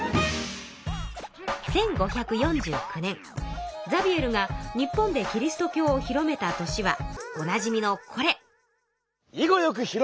１５４９年ザビエルが日本でキリスト教を広めた年はおなじみのこれ。